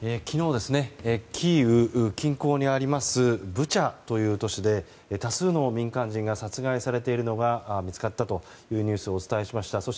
昨日、キーウ近郊にあります、ブチャという都市で多数の民間人が殺害されているのが見つかったというニュースをお伝えしました。